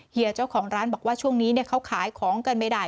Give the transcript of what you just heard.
เฮียเจ้าของร้านบอกว่าช่วงนี้เขาขายของกันไม่ได้